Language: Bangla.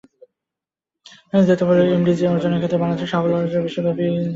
এমডিজি অর্জনের ক্ষেত্রে বাংলাদেশের সাফল্য আজ বিশ্বব্যাপী উদাহরণ হিসেবে দেখানো হচ্ছে।